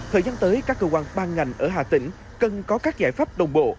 thời gian tới các cơ quan ban ngành ở hà tĩnh cần có các giải pháp đồng bộ